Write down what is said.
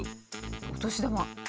「お年玉」。